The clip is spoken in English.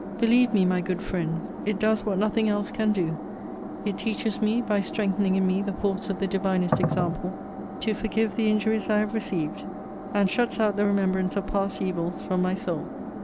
Believe me, my good friends, it does what nothing else can do: it teaches me, by strengthening in me the force of the divinest example, to forgive the injuries I have received; and shuts out the remembrance of past evils from my soul.'